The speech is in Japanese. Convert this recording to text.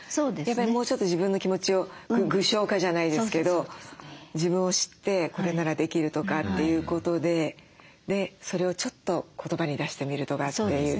やっぱりもうちょっと自分の気持ちを具象化じゃないですけど自分を知ってこれならできるとかっていうことででそれをちょっと言葉に出してみるとかっていう。